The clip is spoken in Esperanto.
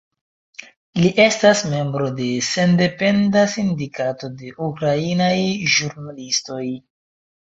Li estas membro de sendependa sindikato de ukrainaj ĵurnalistoj.